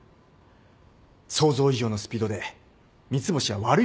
想像以上のスピードで三ツ星は悪い方に向かってる。